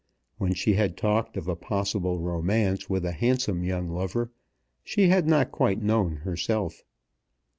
When she had talked of a possible romance with a handsome young lover she had not quite known herself.